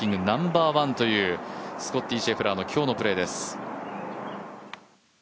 ナンバーワンというスコッティ・シェフラーの今日のプレーです。